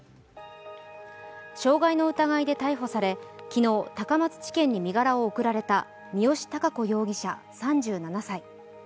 傷害の疑いで逮捕され昨日、高松地検に身柄を送られた三好貴子容疑者３７歳。